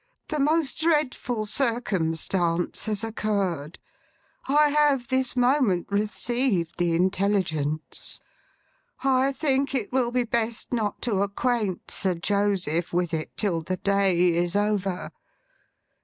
The most dreadful circumstance has occurred. I have this moment received the intelligence. I think it will be best not to acquaint Sir Joseph with it till the day is over.